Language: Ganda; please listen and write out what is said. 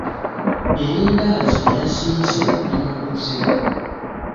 Erindaazi lye yasiise limutuze.